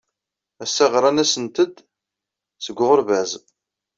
Ass-a ɣran-asent-d seg uɣerbaz.